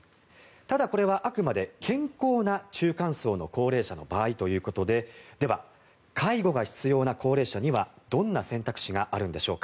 ただ、これはあくまで健康な中間層の高齢者の場合ということででは、介護が必要な高齢者にはどんな選択肢があるんでしょうか。